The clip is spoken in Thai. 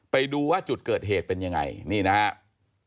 ไปดูว่าจุดเกิดเหตุเป็นยังไงนี่นะครับ